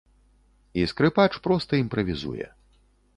І скрыпач проста імправізуе.